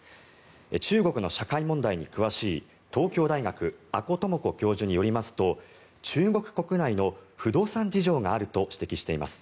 中国の社会問題に詳しい東京大学、阿古智子教授によりますと中国国内の不動産事情があると指摘しています。